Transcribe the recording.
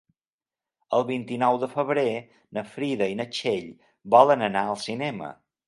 El vint-i-nou de febrer na Frida i na Txell volen anar al cinema.